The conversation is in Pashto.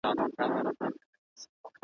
بې نوبتي کوه مُغانه پر ما ښه لګیږي ,